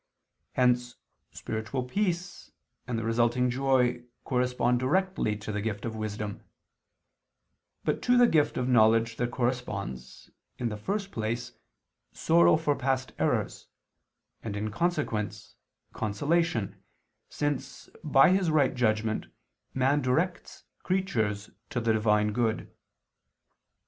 Hence spiritual peace and the resulting joy correspond directly to the gift of wisdom: but to the gift of knowledge there corresponds, in the first place, sorrow for past errors, and, in consequence, consolation, since, by his right judgment, man directs creatures to the Divine good.